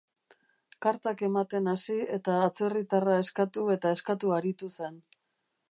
Kartak ematen hasi eta atzerritarra eskatu eta eskatu aritu zen.